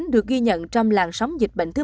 được ghi nhận trong làn sóng dịch bệnh thứ hai